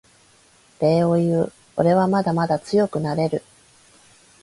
礼を言うおれはまだまだ強くなれる